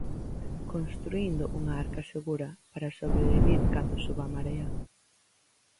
_Construíndo unha arca segura, para sobrevivir cando suba a marea.